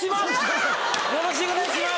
よろしくお願いします！